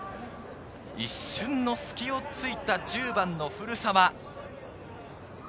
一瞬の隙を突いた１０番の古澤。